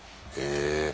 え。